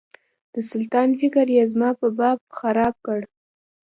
د سلطان فکر یې زما په باب خراب کړ.